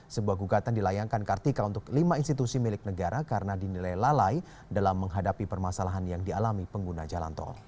sebuah gugatan dilayangkan kartika untuk lima institusi milik negara karena dinilai lalai dalam menghadapi permasalahan yang dialami pengguna jalan tol